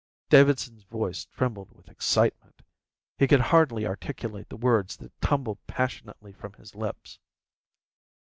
Davidson's voice trembled with excitement. He could hardly articulate the words that tumbled passionately from his lips.